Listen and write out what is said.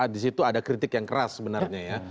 di situ ada kritik yang keras sebenarnya ya